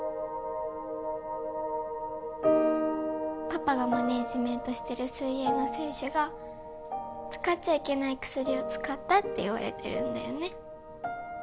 パパがマネージメントしてる水泳の選手が使っちゃいけない薬を使ったって言われてるんだよね？